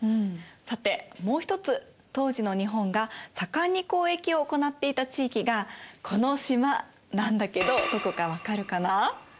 さてもう一つ当時の日本が盛んに交易を行っていた地域がこの島なんだけどどこか分かるかな？